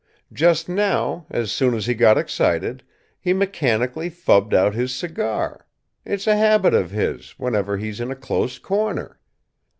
"Just now, as soon as he got excited, he mechanically fubbed out his cigar. It's a habit of his whenever he's in a close corner.